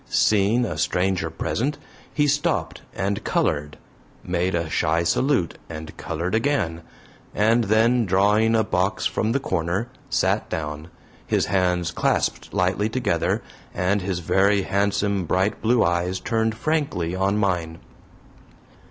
Seeing a stranger present, he stopped and colored, made a shy salute and colored again, and then, drawing a box from the corner, sat down, his hands clasped lightly together and his very handsome bright blue eyes turned frankly on mine.